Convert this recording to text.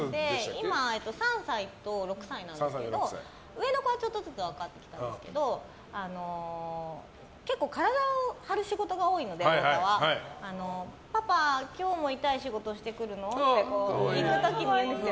今、３歳と６歳なんですけど上の子は、ちょっとずつ分かってきたんですけど結構、体を張る仕事が多いのでパパ、今日も痛い仕事してくるの？って行く時に言うんですよ。